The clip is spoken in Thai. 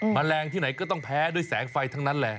แมลงที่ไหนก็ต้องแพ้ด้วยแสงไฟทั้งนั้นแหละ